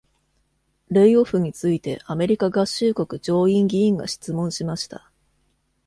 レイオフについてアメリカ合衆国上院議員が質問しました。